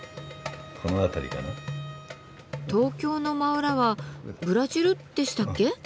東京の真裏はブラジルでしたっけ？